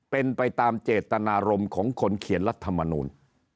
เป็นไปตามเจตนารมณ์ของคนเขียนรัฐมนูล